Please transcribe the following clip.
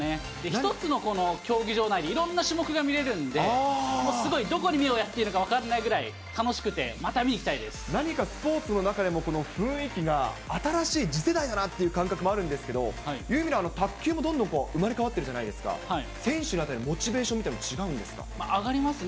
一つのこの競技場内でいろんな種目が見れるんで、もうすごい、どこに目をやっていいのか分かんないぐらい楽しくて、また見に行何かスポーツの中でも、雰囲気が新しい、次世代だなっていう感覚もあるんですけど、という意味では、卓球もどんどん生まれ変わってるじゃないですか、選手の間でモチ上がりますね。